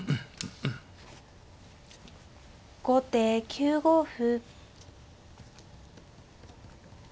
後手９五歩。